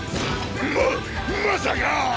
ままさか！